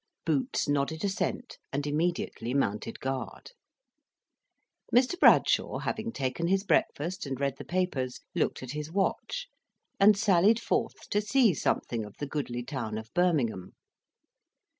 Boots nodded assent, and immediately mounted guard. Mr. Bradshaw having taken his breakfast and read the papers, looked at his watch, and sallied forth to see something of the goodly town of Birmingham.